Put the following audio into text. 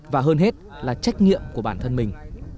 và hơn hết là trách nhiệm của bản thân mình